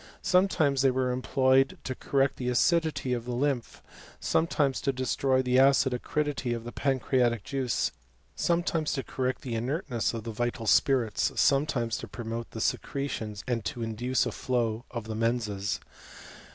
Sometimes they were employed to cotU rect the acidity of the lymph, sometimes to destroy tbt acid acridity of the pancreatic juice, sometimes tO correct the inertness of the vital spirits, sometimes tm promote the secretions, and to induce a flow of ib» menses.